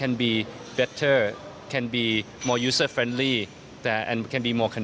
lebih baik lebih berguna dan lebih mudah